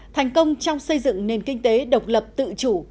thành công trong xây dựng nền kinh tế độc lập tự chủ